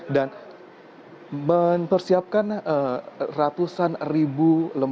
dan mempersiapkan ratusan ribu lembar ktp ini menjadi salah satu poin penting